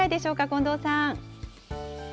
近藤さん。